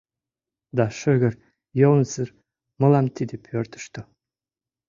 Да шыгыр, йӧнысыр мылам тиде пӧртыштӧ.